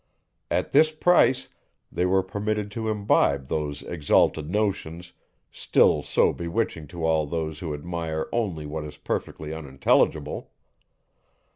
At this price, they were permitted to imbibe those exalted notions, still so bewitching to all those who admire only what is perfectly unintelligible.